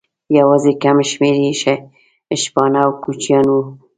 یواځې کم شمېر یې شپانه او کوچیان وو.